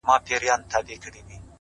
دا د نور په تلاوت بې هوښه سوی دی”